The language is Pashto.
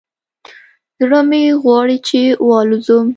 زړه مې غواړي چې والوزم